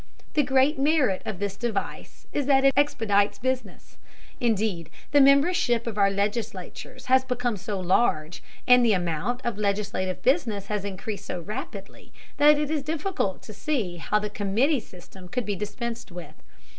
The great merit of this device is that it expedites business. Indeed, the membership of our legislatures has become so large, and the amount of legislative business has increased so rapidly, that it is difficult to see how the committee system could be dispensed with.